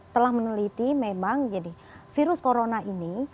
telah meneliti memang virus corona ini